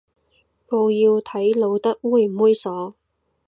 告要睇露得猥唔猥褻